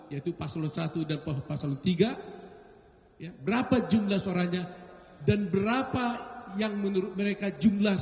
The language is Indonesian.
yaitu paslon satu dan pasal tiga berapa jumlah suaranya dan berapa yang menurut mereka jumlah suara